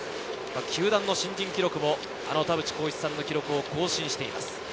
球団の新人記録の田淵幸一さんの記録を更新しています。